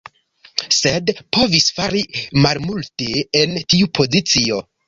Sed povis fari malmulte en tiu pozicio.